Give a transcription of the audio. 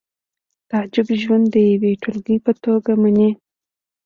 تعجب ژوند د یوې ټولګې په توګه مني